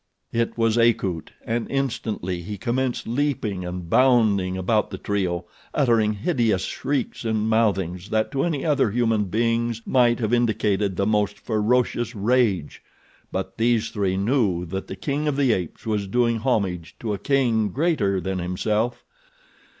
It was Akut, and instantly he commenced leaping and bounding about the trio, uttering hideous shrieks and mouthings that to any other human beings might have indicated the most ferocious rage; but these three knew that the king of the apes was doing homage to a king greater than himself.